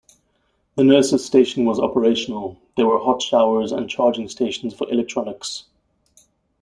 The nurses' station was operational; there were hot showers and charging stations for electronics.